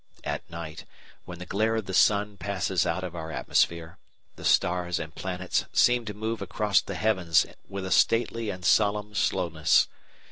At night, when the glare of the sun passes out of our atmosphere, the stars and planets seem to move across the heavens with a stately and solemn slowness.